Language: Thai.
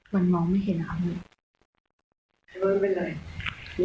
มันมองไม่เห็นครับคุณ